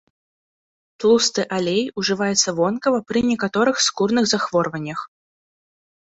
Тлусты алей ўжываецца вонкава пры некаторых скурных захворваннях.